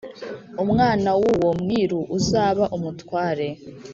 umwána w' uwo mwíru uzaba úmutware